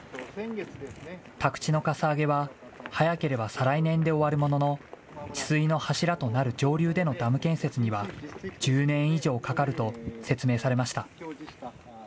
宅地のかさ上げは早ければ再来年で終わるものの、治水の柱となる上流でのダム建設には、１０年以上かかると説明されました。